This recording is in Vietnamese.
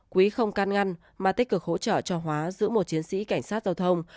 quý không can ngăn mà tích cực hỗ trợ cho hóa giữa một chiến sĩ cảnh sát giao thông